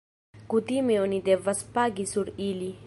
Kutime oni devas pagi sur ili.